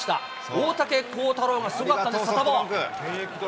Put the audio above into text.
大竹耕太郎がすごかったんです、サタボー。